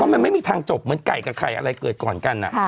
มันไม่มีทางจบเหมือนไก่กับไข่อะไรเกิดก่อนกัน